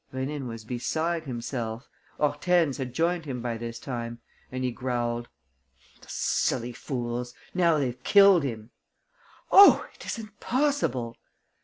Rénine was beside himself. Hortense had joined him by this time; and he growled: "The silly fools! Now they've killed him!" "Oh, it isn't possible!"